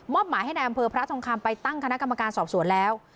หมายให้นายอำเภอพระทองคำไปตั้งคณะกรรมการสอบสวนแล้ว